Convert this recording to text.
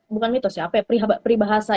bukan mitos ya pribahasa